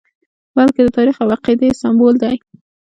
بلکې د تاریخ او عقیدې سمبول دی.